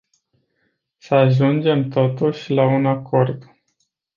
Să ajungem totuși la un acord.